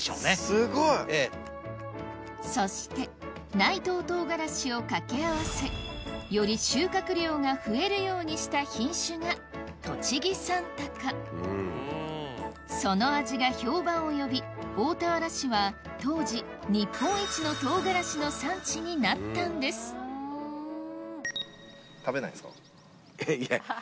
すごい！そして内藤とうがらしをかけ合わせより収穫量が増えるようにした品種が栃木三鷹その味が評判を呼び大田原市は当時なったんですいや